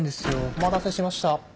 お待たせしました。